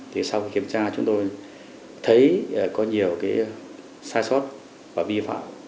thì sau khi kiểm tra chúng tôi thấy có nhiều cái sai sót và vi phạm